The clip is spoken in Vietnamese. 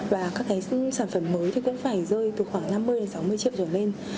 và các sản phẩm mới cũng phải rơi từ khoảng năm mươi sáu mươi triệu trở lên